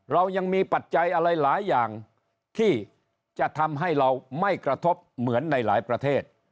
เรายังมีปัจจัยอะไรหลายอย่างที่จะทำให้เราไม่กระทบเหมือนในหลายประเทศ